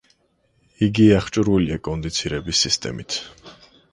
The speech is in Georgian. იგი აღჭურვილია კონდიცირების სისტემით.